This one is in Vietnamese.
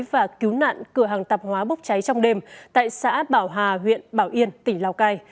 và cứu nạn cửa hàng tạp hóa bốc cháy trong đêm tại xã bảo hà huyện bảo yên tỉnh lào cai